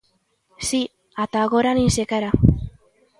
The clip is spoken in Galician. Si, ata agora nin sequera.